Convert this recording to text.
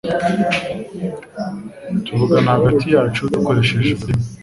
Tuvugana hagati yacu dukoresheje ururimi